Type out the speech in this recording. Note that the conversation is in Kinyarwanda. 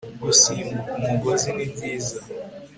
gusimbuka umugozi ni byiza